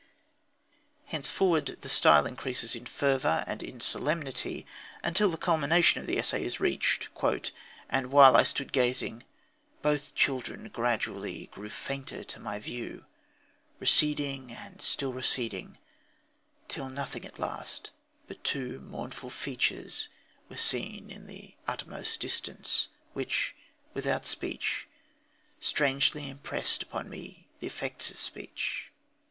Henceforward the style increases in fervour and in solemnity until the culmination of the essay is reached: "And while I stood gazing, both the children gradually grew fainter to my view, receding and still receding till nothing at last but two mournful features were seen in the uttermost distance, which, without speech, strangely impressed upon me the effects of speech...."